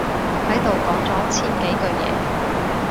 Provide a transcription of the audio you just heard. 喺度講咗千幾句嘢